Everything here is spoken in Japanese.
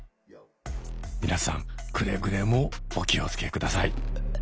皆さんくれぐれもお気をつけください。